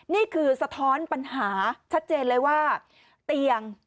สะท้อนปัญหาชัดเจนเลยว่าเตียง